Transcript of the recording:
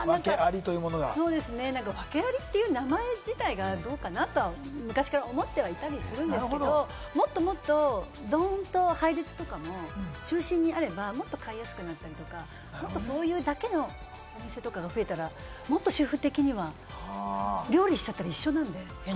訳アリっていう名前自体がどうかな？と、昔から思ってはいたりするんですけれど、もっともっとドンと配列とかも中心にあれば、もっと買いやすくなったりとか、そういうのだけのお店とかが増えたら、主婦的には料理しちゃったら一緒なんで。